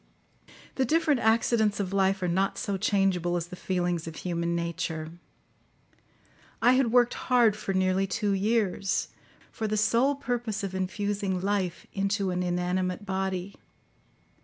The different accidents of life are not so changeable as the feelings of human nature. I had worked hard for nearly two years, for the sole purpose of infusing life into an inanimate body.